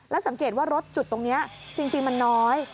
สังเกตว่ารถจุดตรงนี้จริงมันน้อย